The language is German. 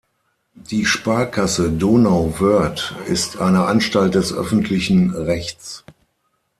Die Sparkasse Donauwörth ist eine Anstalt des öffentlichen Rechts.